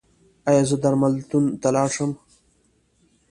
ایا زه درملتون ته لاړ شم؟